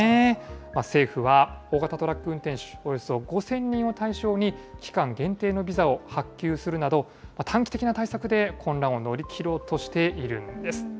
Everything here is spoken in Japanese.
政府は大型トラック運転手およそ５０００人を対象に、期間限定のビザを発給するなど、短期的な対策で混乱を乗り切ろうとしているんです。